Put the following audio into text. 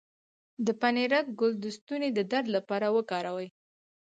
د پنیرک ګل د ستوني د درد لپاره وکاروئ